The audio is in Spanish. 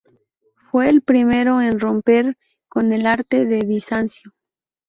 Fue el primero en romper con el arte de Bizancio.